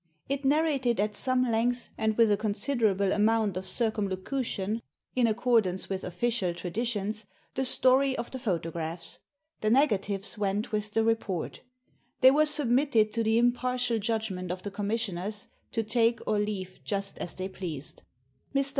It narrated at some length, and with a considerable amount of circumlocution — in accordance with official traditions — the story of the photographs. The negatives went with the report They were submitted to the impartial judgment of the Commissioners, to take or leave just as they pleased. Mr.